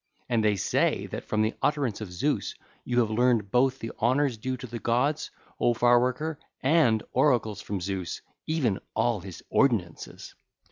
And they say that from the utterance of Zeus you have learned both the honours due to the gods, O Far worker, and oracles from Zeus, even all his ordinances.